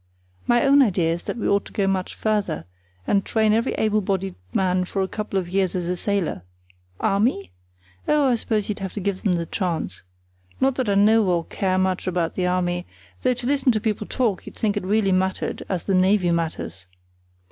My own idea is that we ought to go much further, and train every able bodied man for a couple of years as a sailor. Army? Oh, I suppose you'd have to give them the choice. Not that I know or care much about the Army, though to listen to people talk you'd think it really mattered as the Navy matters.